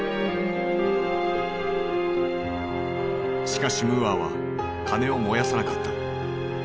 しかしムーアは金を燃やさなかった。